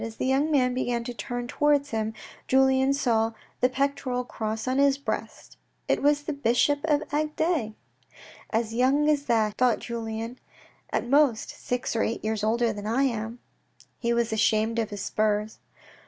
As the young man began to turn towards him, Julien saw the pectoral cross on his breast, It was the bishop of Agde. "As young as that," thought Julien. " At most six or eight years older than I am !" He was ashamed of his spurs.'